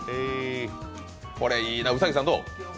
これいいな、兎さんどう？